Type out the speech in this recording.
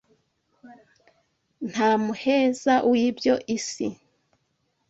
Nta muheza w'ibyo isi